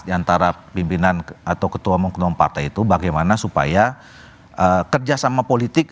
antara pimpinan atau ketua umum ketua umum partai itu bagaimana supaya kerjasama politik